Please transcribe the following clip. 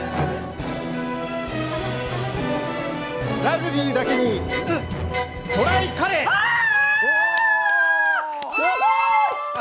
ラグビーだけに、トライカレー！はあ！